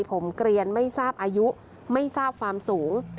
ผมเกลียนไม่ทราบอายุไม่ทราบความสูง